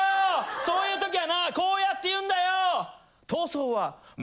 そういう時はなこうやって言うんだよ。